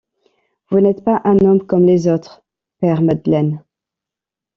Vous n’êtes pas un homme comme les autres, père Madeleine.